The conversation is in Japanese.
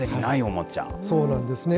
そうなんですね。